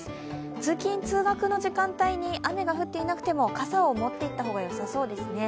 通勤・通学の時間帯に雨が降っていなくても傘を持っていった方がよさそうですね。